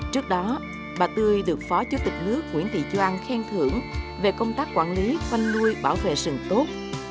trước đó bà tươi được phó chủ tịch nước nguyễn thị doan khen thưởng về công tác quản lý văn nuôi bảo vệ rừng tốt